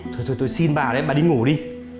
thôi tôi xin bà đấy bà đi ngủ đi